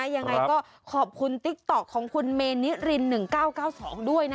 ยังไงก็ขอบคุณติ๊กต๊อกของคุณเมนิริน๑๙๙๒ด้วยนะ